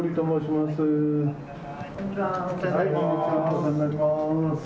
お世話になります。